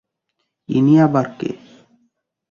ইনি আবার কে?